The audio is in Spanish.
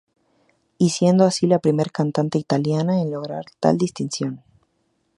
Y siendo así la primera cantante italiana en lograr tal distinción.